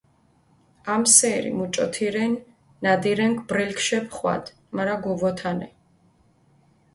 ამსერი მუჭოთირენ ნადირენქ ბრელქ შეფხვადჷ, მარა გუვოთანე.